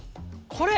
これ？